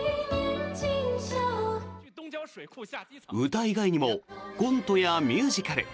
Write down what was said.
歌以外にもコントやミュージカル